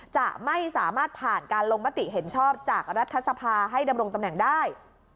จะไม่สามารถผ่านการลงมติเห็นชอบจากรัฐสภาให้ดำรงตำแหน่งได้